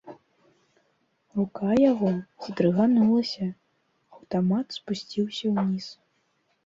Рука яго здрыганулася, аўтамат спусціўся ўніз.